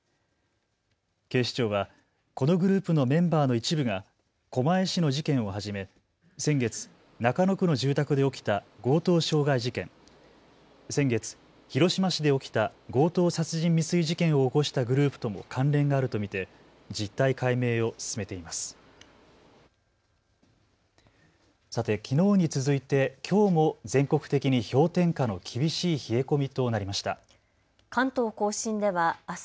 警視庁はこのグループのメンバーの一部が狛江市の事件をはじめ先月、中野区の住宅で起きた強盗傷害事件、先月、広島市で起きた強盗殺人未遂事件を起こしたグループとも関連があると見て実態解明を進めています。